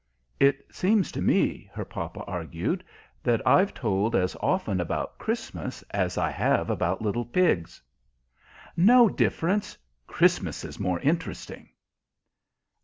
"It seems to me," her papa argued, "that I've told as often about Christmas as I have about little pigs." "No difference! Christmas is more interesting."